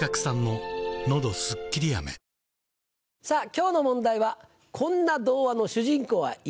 今日の問題は「こんな童話の主人公は嫌だ」。